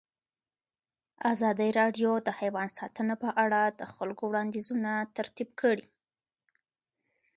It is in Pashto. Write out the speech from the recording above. ازادي راډیو د حیوان ساتنه په اړه د خلکو وړاندیزونه ترتیب کړي.